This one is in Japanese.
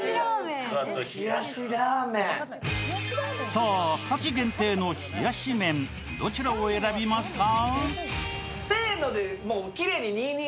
さあ、夏季限定の冷やし麺、どちらを選びますか？